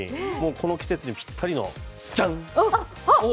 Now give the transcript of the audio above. この季節にピッタリのジャン！